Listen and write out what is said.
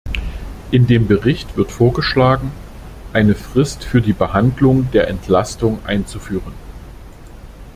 In dem Bericht wird vorgeschlagen, eine Frist für die Behandlung der Entlastung einzuführen.